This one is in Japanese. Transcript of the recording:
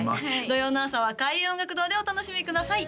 土曜の朝は開運音楽堂でお楽しみください